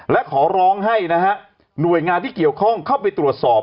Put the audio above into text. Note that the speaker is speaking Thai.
และขอร้องให้นะฮะหน่วยงานที่เกี่ยวข้องเข้าไปตรวจสอบ